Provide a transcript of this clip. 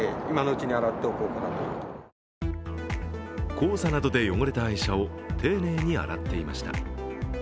黄砂などで汚れた愛車を丁寧に洗っていました。